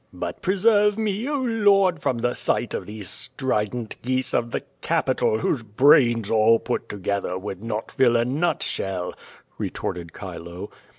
"But preserve me, oh, Ijord, from the sight of these strident geese of the Capitol, whose brains all put together would not fill a nutshell," retorted diilo.